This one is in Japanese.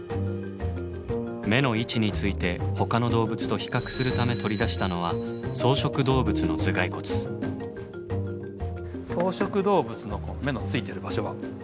目の位置についてほかの動物と比較するため取り出したのは草食動物の目のついてる場所は。